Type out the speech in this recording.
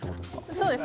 そうです